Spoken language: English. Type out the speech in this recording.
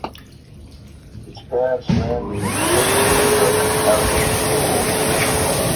His parents ran the independent Pembroke House School.